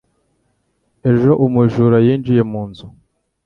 Ejo, umujura yinjiye mu nzu.